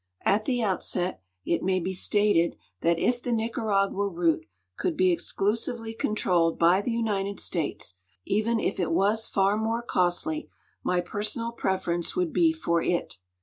At the outset it ma3"be stated that if the Nicaragua route could he exclusive!}" controlled by the United States, even if it was far more costly, my personal preference would be for it.